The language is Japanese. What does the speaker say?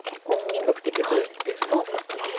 比較的早いペースで使ってます。